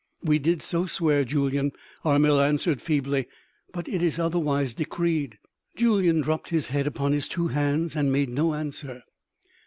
"We did so swear, Julyan," Armel answered feebly, "but it is otherwise decreed." Julyan dropped his head upon his two hands and made no answer.